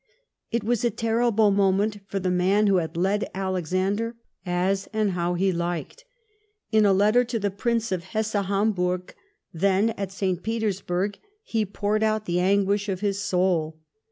It was a terrible moment for the man who had led xVlexander as and how he liked. In a letter to the Prince of Hesse Homburo , then at St. Petersburg, he poured out the anguish of his soul.